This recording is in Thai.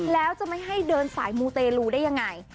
แล้วจะไม่ให้เดินสายมูเตลูได้ยังไง